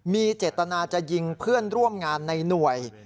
มีเจตนาจะยิงเพื่อนร่วมงานในหน่วย